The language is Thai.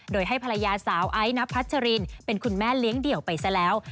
โดยให้ภรรยาสาวไอ้นพัชรินเป็นคุณแม่เลี้ยงเดี่ยวไปซะแล้ว